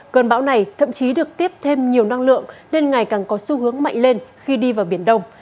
cơn bão này thậm chí được tiếp thêm nhiều năng lượng nên ngày càng có xu hướng mạnh lên khi đi vào biển đông